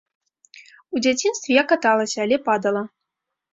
У дзяцінстве я каталася, але падала.